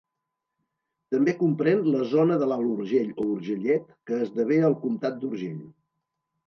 També comprén la zona de l’Alt Urgell o Urgellet que esdevé el comtat d’Urgell.